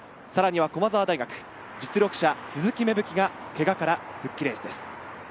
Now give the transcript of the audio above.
さらには駒澤大学実力者・鈴木芽吹がけがから復帰レースです。